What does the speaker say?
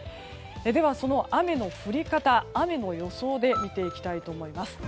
では、その雨の降り方雨の予想で見ていきます。